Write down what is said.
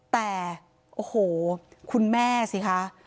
แต่โอ้โหคุณแม่สิคะ